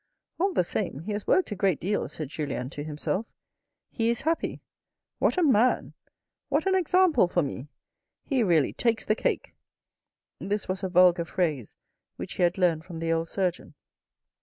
" All the same he has worked a great deal," said Julien to himself. " He is happy. What a man ! What an example for me ! He really takes the cake." (This was a vulgar phrase which he had learned from the old surgeon).